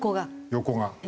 横が。